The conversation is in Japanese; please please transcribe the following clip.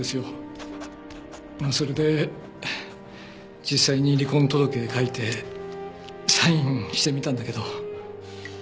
それで実際に離婚届書いてサインしてみたんだけど。